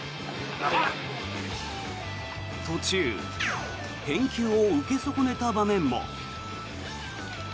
途中返球を受け損ねた場面も。